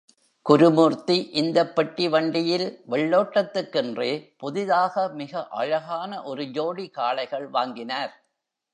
குருமூர்த்தி இந்தப் பெட்டி வண்டியில் வெள்ளோட்டத்துக்கென்றே புதிதாக மிக அழகான ஒரு ஜோடி காளைகள் வாங்கினார்.